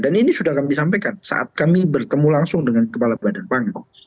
dan ini sudah kami sampaikan saat kami bertemu langsung dengan kepala badan panggung